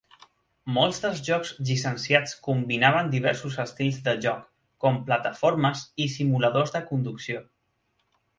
Molts dels jocs llicenciats combinaven diversos estils de joc, com plataformes i simuladors de conducció.